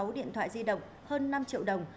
sáu điện thoại di động hơn năm triệu đồng